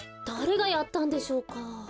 だれがやったんでしょうか？